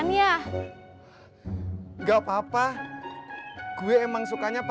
neng arih grant ya